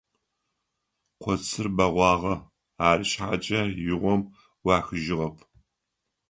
Коцыр бэгъуагъэ, ары шъхьакӏэ игъом ӏуахыжьыгъэп.